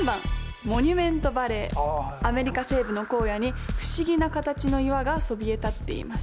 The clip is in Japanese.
アメリカ西部の荒野に不思議な形の岩がそびえ立っています。